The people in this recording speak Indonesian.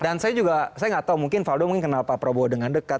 dan saya juga saya nggak tahu mungkin valdo kenal pak prabowo dengan dekat